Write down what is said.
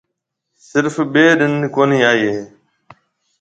سرف ٻي ڏن ڪونِي آئي هيَ۔